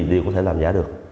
đều có thể làm giả được